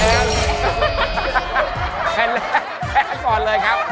แผ่นแรกแพ้ก่อนเลยครับ